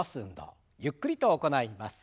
ゆっくりと行います。